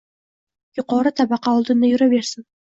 Yuqori tabaqa oldinda yuraversin.